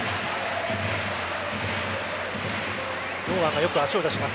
堂安がよく足を出します。